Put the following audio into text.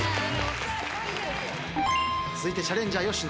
続いてチャレンジャー吉野。